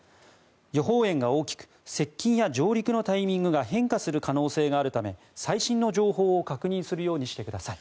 予報円が大きく接近や上陸のタイミングが変化する可能性があるため最新の情報を確認するようにしてください。